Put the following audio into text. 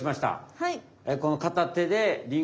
はい！